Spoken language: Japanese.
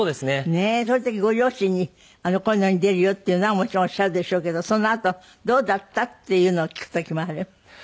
ねえそういう時ご両親にこういうのに出るよっていうのはもちろんおっしゃるでしょうけどそのあと「どうだった？」っていうのを聞く時もある？